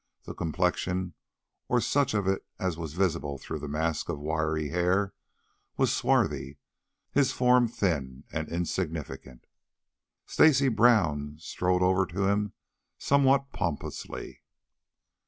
The complexion, or such of it as was visible through the mask of wiry hair, was swarthy, his form thin and insignificant. Stacy Brown strode over to him somewhat pompously.